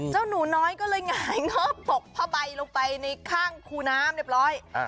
หนูน้อยก็เลยหงายเงิบตกผ้าใบลงไปในข้างคูน้ำเรียบร้อย